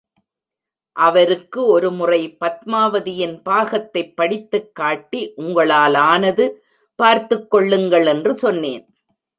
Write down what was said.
அவருக்கு ஒருமுறை பத்மாவதியின் பாகத்தைப் படித்துக் காட்டி உங்களாலானது பார்த்துக்கொள்ளுங்கள் என்று சொன்னேன்.